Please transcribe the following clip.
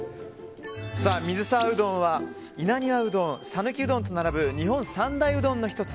水沢うどんは稲庭うどん、讃岐うどんと並ぶ日本三大うどんの１つ。